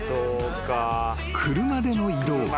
［車での移動］